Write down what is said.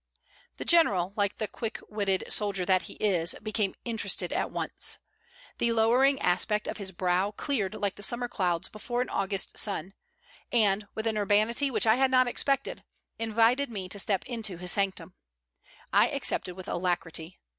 The General, like the quick witted soldier that he is, became interested at once. The lowering aspect of his brow cleared like the summer clouds before an August sun, and, with an urbanity which I had not expected, invited me to step into his sanctum. I accepted with alacrity.